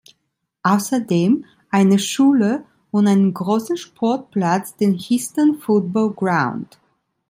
Außerdem eine Schule und einen großen Sportplatz, den Histon Football Ground.